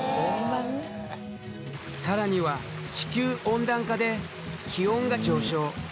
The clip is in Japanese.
更には地球温暖化で気温が上昇。